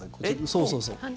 そうそうそう。